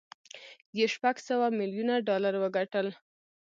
یې شپږ سوه ميليونه ډالر وګټل